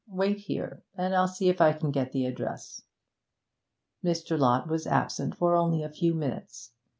'Wait here, and I'll see if I can get the address.' Mr. Lott was absent for only a few minutes.